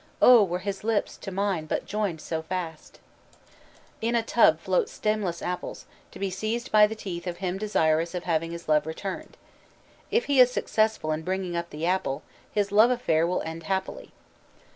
Oh! were his lips to mine but joined so fast." GAY: Pastorals. In a tub float stemless apples, to be seized by the teeth of him desirous of having his love returned. If he is successful in bringing up the apple, his love affair will end happily.